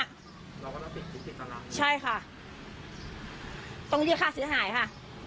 เราก็ต้องติดติดต่างหลังใช่ค่ะต้องเรียกฆ่าเสียหายค่ะ